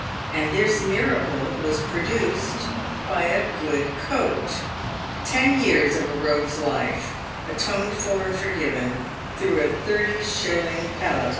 And this miracle was produced by a good coat. Ten years of a rogue's life atoned for and forgiven through a thirty shilling paletot.